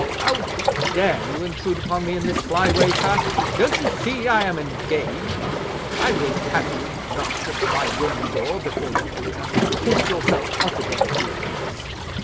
"How dare you intrude upon me in this sly way, sir? Don't you see I am engaged? I will have you knock at my room door before you enter. Take yourself off again, if you please!"